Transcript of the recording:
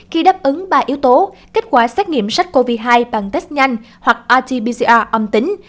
khi đáp ứng ba yếu tố kết quả xét nghiệm sars cov hai bằng test nhanh hoặc rt pcr âm tính